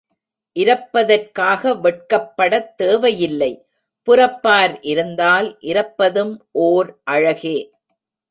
இரப்பதற்காக வெட்கப்படத் தேவை இல்லை புரப்பார் இருந்தால் இரப்பதும் ஓர் அழகே.